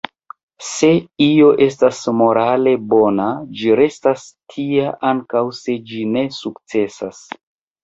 Se io estas morale bona, ĝi restas tia ankaŭ se ĝi ne sukcesas.